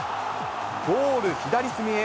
ゴール左隅へ、